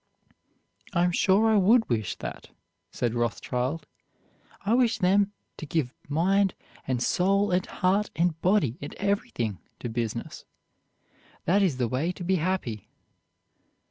"I am sure I would wish that," said Rothschild; "I wish them to give mind, and soul, and heart, and body, and everything to business; that is the way to be happy."